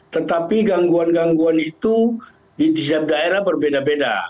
tetapi gangguan gangguan itu di setiap daerah berbeda beda